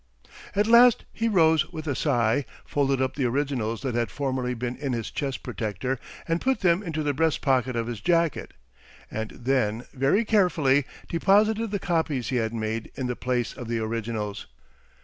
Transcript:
At last he rose with a sigh, folded up the originals that had formerly been in his chest protector and put them into the breast pocket of his jacket, and then very carefully deposited the copies he had made in the place of the originals.